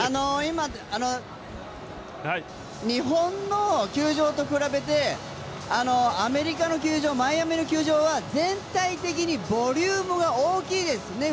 日本の球場と比べて、アメリカの球場、マイアミの球場は全体的にボリュームが大きいですね。